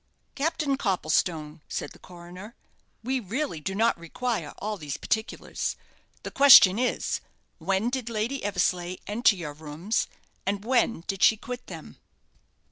"Captain Copplestone," said the coroner; "we really do not require all these particulars; the question is when did Lady Eversleigh enter your rooms, and when did she quit them?"